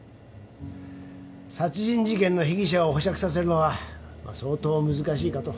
殺人事件の被疑者を保釈させるのは相当難しいかと。